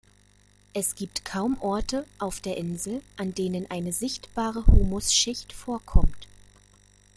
Es gibt kaum Orte auf der Insel, an denen eine sichtbare Humusschicht vorkommt.